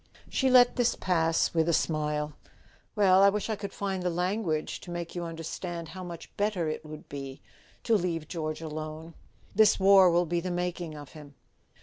She let this pass with a smile. "Well, I wish I could find the language to make you understand how much better it would be to leave George alone. This war will be the making of him."